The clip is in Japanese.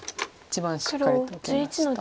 一番しっかりと受けました。